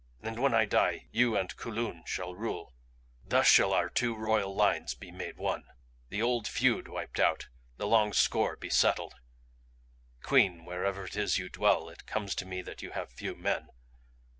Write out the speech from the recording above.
And when I die you and Kulun shall rule. "Thus shall our two royal lines be made one, the old feud wiped out, the long score be settled. Queen wherever it is you dwell it comes to me that you have few men.